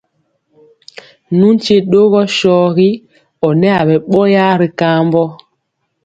Nu nkye ɗɔgɔ sɔgi ɔ nɛ aɓɛ ɓɔyaa ri kambɔ.